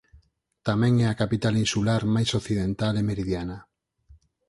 Tamén é a capital insular máis occidental e meridiana.